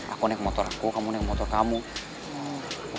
aku naik motor sama temen temen